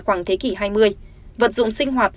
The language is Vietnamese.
khoảng thế kỷ hai mươi vật dụng sinh hoạt